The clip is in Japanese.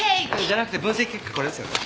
じゃなくて分析結果これですよね？